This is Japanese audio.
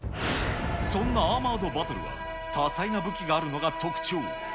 そんなアーマードバトルは、多彩な武器があるのが特徴。